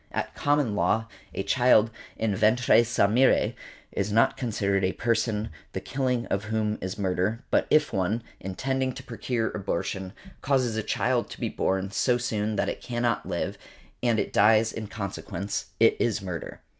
At Common Law a child en ventre sa mere is not considered a person the killing of whom is murder; but if one, intending to procure abortion, causes a child to be born so soon that it cannot live, and |147| it dies in consequence, it is murder .